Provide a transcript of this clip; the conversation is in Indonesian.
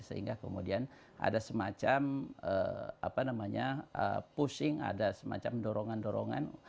sehingga kemudian ada semacam apa namanya pushing ada semacam dorongan dorongan